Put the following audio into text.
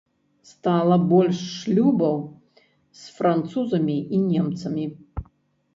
Стала больш шлюбаў з французамі і немцамі.